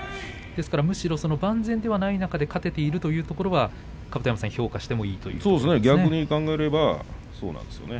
万全ではない中で勝てているというところは甲山さん評価してもいいということですね。